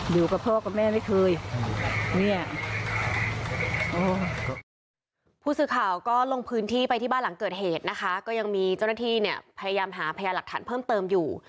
พูดสิทธิ์ข่าวก็ลงพื้นที่ไปที่บ้านหลังเกิดเหตุนะคะก็ยังมีเจ้าหน้าที่เนี่ยพยายามหาเพลยาหลักฐานเพิ่มเติมอยู่